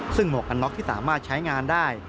ซึ่งหมวกกันน็อกที่สามารถใช้งานได้